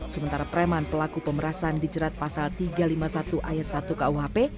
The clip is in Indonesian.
sementara preman pelaku pemerasan dijerat pasal tiga ratus lima puluh satu ayat satu kuhp